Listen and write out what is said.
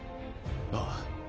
ああ。